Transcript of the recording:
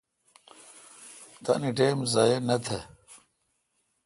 تانی ٹیم ضایع نہ تہ